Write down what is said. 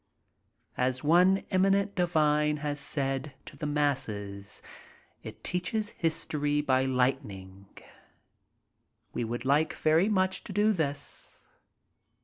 As one eminent divine has said to the masses, "It teaches history by lightning/* We would like very much to do this.